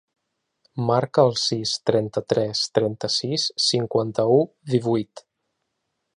Marca el sis, trenta-tres, trenta-sis, cinquanta-u, divuit.